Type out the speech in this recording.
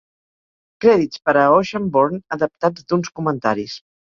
Crèdits per a "Oceanborn" adaptats d"uns comentaris.